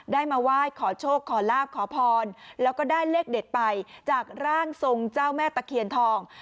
มาไหว้ขอโชคขอลาบขอพรแล้วก็ได้เลขเด็ดไปจากร่างทรงเจ้าแม่ตะเคียนทอง